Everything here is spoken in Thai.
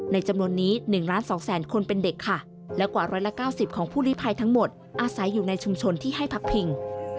จำนวนนี้๑ล้าน๒แสนคนเป็นเด็กค่ะและกว่า๑๙๐ของผู้ลิภัยทั้งหมดอาศัยอยู่ในชุมชนที่ให้พักพิง